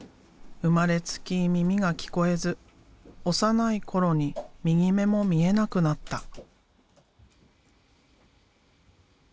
生まれつき耳が聞こえず幼い頃に右目も見えなくなった。